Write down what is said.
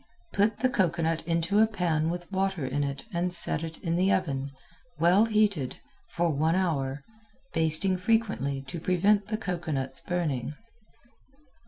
Put the cocoanut into a pan with water in it and set in the oven, well heated, for one hour, basting frequently to prevent the cocoanut's burning.